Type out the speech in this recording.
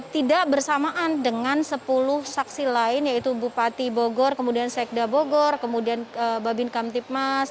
tidak bersamaan dengan sepuluh saksi lain yaitu bupati bogor kemudian sekda bogor kemudian babin kamtipmas